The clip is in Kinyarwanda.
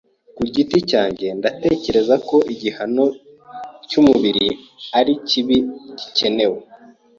Ku giti cyanjye, ndatekereza ko igihano cyumubiri ari kibi gikenewe.